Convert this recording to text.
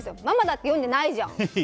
ママだって読んでないじゃん！